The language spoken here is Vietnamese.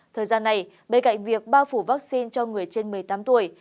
thời gian này bên cạnh việc bao phủ vaccine cho người trên một mươi tám tuổi